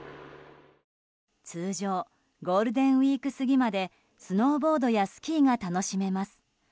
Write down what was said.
通常ゴールデンウィーク過ぎまでスノーボードやスキーが楽しめます。